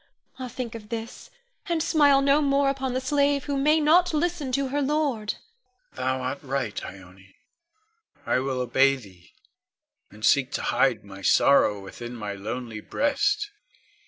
Ah, think of this, and smile no more upon the slave who may not listen to her lord. Con. Thou art right, Ione. I will obey thee, and seek to hide my sorrow within my lonely breast.